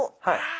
はい。